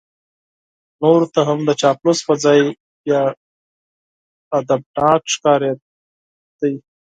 نورو ته هم د چاپلوس په ځای بیا ادبناک ښکارېده.